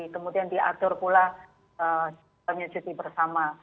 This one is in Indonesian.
kemudian diatur pula cuti bersama